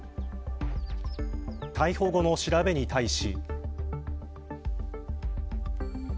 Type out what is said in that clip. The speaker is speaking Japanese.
逮捕後の調べに対し。